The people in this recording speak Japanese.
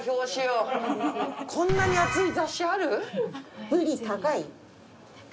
こんなに厚い雑誌ある？